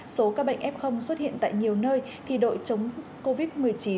số ca bệnh f xuất hiện tại nhiều nơi thì đội chống covid một mươi chín chín một một